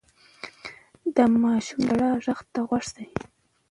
د ماشوم د ژړا غږ ته غوږ شئ.